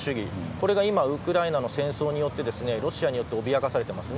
これがウクライナの戦争によってロシアによって脅かされています。